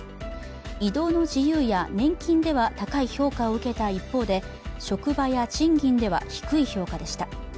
移動の自由や年金では高い評価を受けた一方で職場や賃金では低い評価でした。